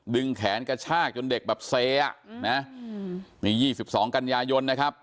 แขนกระชากจนเด็กแบบเซอ่ะนะนี่๒๒กันยายนนะครับ